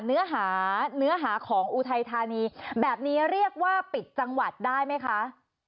เนื้อหาเนื้อหาของอุทัยธานีแบบนี้เรียกว่าปิดจังหวัดได้ไหมคะ